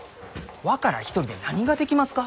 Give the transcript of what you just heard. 若らあ一人で何ができますか？